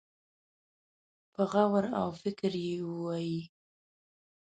په غور او فکر يې ووايي.